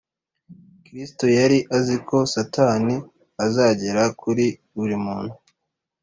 Kristo yari azi ko Satani azagera kuri buri muntu